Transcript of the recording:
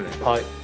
はい。